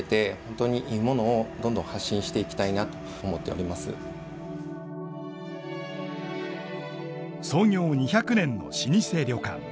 当店では創業２００年の老舗旅館。